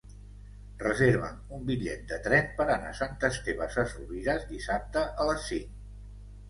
Reserva'm un bitllet de tren per anar a Sant Esteve Sesrovires dissabte a les cinc.